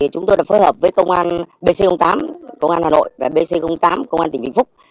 chúng tôi đã phối hợp với công an bc tám công an hà nội và bc tám công an tỉnh vĩnh phúc